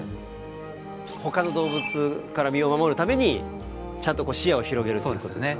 ほかの動物から身を守るためにちゃんと視野を広げるっていうことですか。